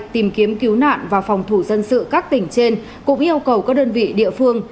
tìm kiếm cứu nạn và phòng thủ dân sự các tỉnh trên cũng yêu cầu các đơn vị địa phương